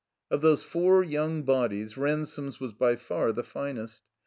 Of those four yotmg bodies, Ransome's was by far the finest.